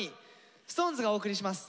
ＳｉｘＴＯＮＥＳがお送りします。